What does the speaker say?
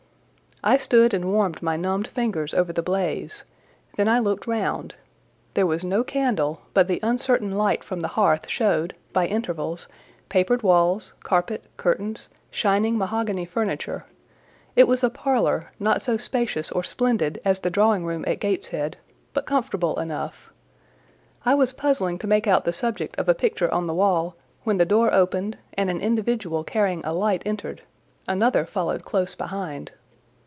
I stood and warmed my numbed fingers over the blaze, then I looked round; there was no candle, but the uncertain light from the hearth showed, by intervals, papered walls, carpet, curtains, shining mahogany furniture: it was a parlour, not so spacious or splendid as the drawing room at Gateshead, but comfortable enough. I was puzzling to make out the subject of a picture on the wall, when the door opened, and an individual carrying a light entered; another followed close behind.